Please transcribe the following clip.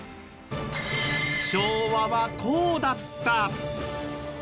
昭和はこうだった。